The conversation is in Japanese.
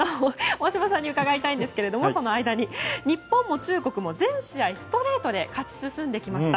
大島さんに伺いたいんですが日本も中国も全試合ストレートで勝ち進んできました。